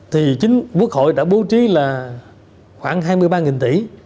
thì chính quốc hội đã bố trí là khoảng hai mươi ba tỷ